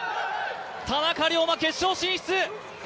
田中龍馬、決勝進出！